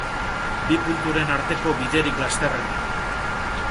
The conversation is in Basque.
Bi punturen arteko biderik lasterrena